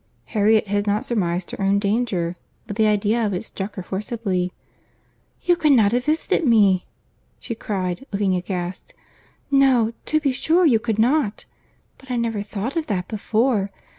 Harriet had not surmised her own danger, but the idea of it struck her forcibly. "You could not have visited me!" she cried, looking aghast. "No, to be sure you could not; but I never thought of that before.